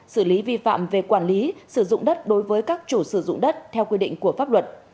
xử lý vi phạm về quản lý sử dụng đất đối với các chủ sử dụng đất theo quy định của pháp luật